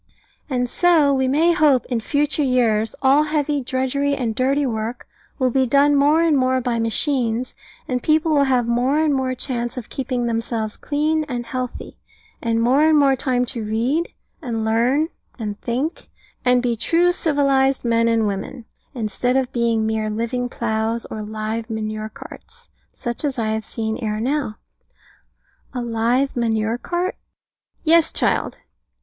And so, we may hope, in future years all heavy drudgery and dirty work will be done more and more by machines, and people will have more and more chance of keeping themselves clean and healthy, and more and more time to read, and learn, and think, and be true civilised men and women, instead of being mere live ploughs, or live manure carts, such as I have seen ere now. A live manure cart? Yes, child.